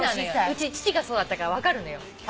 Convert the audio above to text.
うち父がそうだったから分かるのよ。